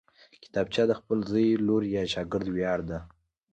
کتابچه د خپل زوی، لور یا شاګرد ویاړ ده